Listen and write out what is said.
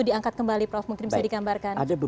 diangkat kembali prof mungkin bisa digambarkan